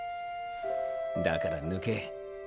だから抜け。